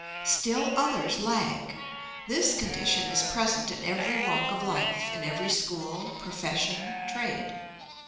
Still others lag. This condition is present in every walk of life, in every school, profession, trade.